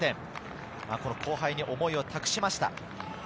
後輩に思いを託しました。